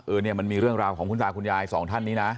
เนี่ยมันมีเรื่องราวของคุณตาคุณยายสองท่านนี้นะ